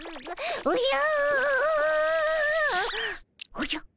おじゃ？